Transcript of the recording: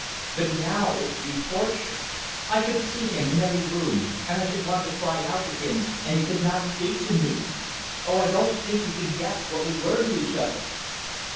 But now it would be torture. I should see him in every room, and I should want to cry out to him and he could not speak to me. Oh, I don't think you can guess what we were to each other."